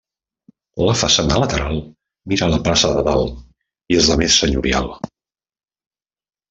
La façana lateral mira a la plaça de Dalt i és la més senyorial.